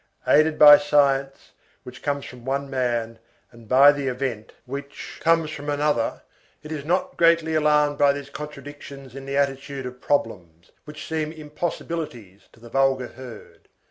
Aided by science, which comes from one man, and by the event, which comes from another, it is not greatly alarmed by these contradictions in the attitude of problems, which seem impossibilities to the vulgar herd.